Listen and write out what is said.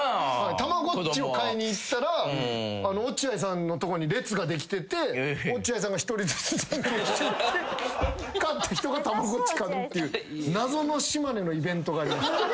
たまごっちを買いに行ったら落合さんのとこに列ができてて落合さんが１人ずつじゃんけんしていって勝った人がたまごっち買うっていう謎の島根のイベントが。